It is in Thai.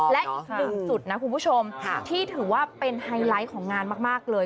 และอีกหนึ่งจุดนะคุณผู้ชมที่ถือว่าเป็นไฮไลท์ของงานมากเลย